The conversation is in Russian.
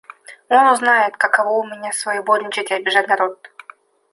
– Он узнает, каково у меня своевольничать и обижать народ.